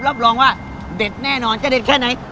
รับรองว่าเด็ดแน่นอนจะเด็ดแค่ไหน